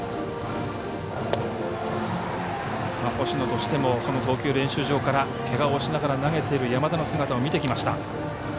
星野としても投球練習場からけがをおしながら投げている山田の姿を見てきました。